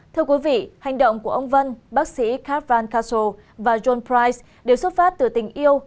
thưa quý vị hành động của ông vân bác sĩ conran castle và john price đều xuất phát từ tình yêu